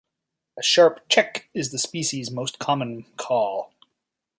A sharp "chek" is the species' most common call.